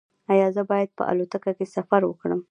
ایا زه باید په الوتکه کې سفر وکړم؟